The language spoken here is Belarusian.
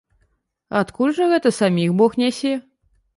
Адкуль жа гэта саміх бог нясе?